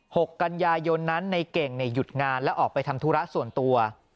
หกกันยายนนั้นในเก่งเนี่ยหยุดงานและออกไปทำธุระส่วนตัว